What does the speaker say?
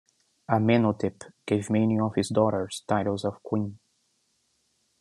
Amenhotep gave many of his daughters titles of queen.